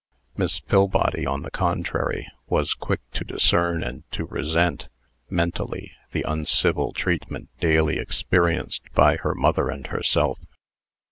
Miss Pillbody, on the contrary, was quick to discern and to resent, mentally, the uncivil treatment daily experienced by her mother and herself.